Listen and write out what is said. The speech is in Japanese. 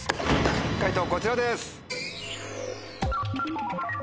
解答こちらです。